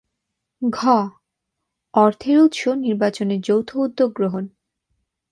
ঘ. অর্থের উৎস নির্বাচনে যৌথ উদ্যোগ গ্রহণ